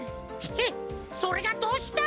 へっそれがどうした！